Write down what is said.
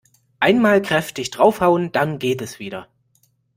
Einmal kräftig draufhauen, dann geht es wieder.